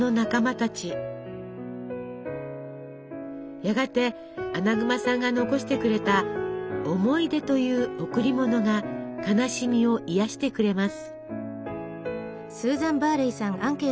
やがてアナグマさんが残してくれた思い出という「贈り物」が悲しみを癒やしてくれます。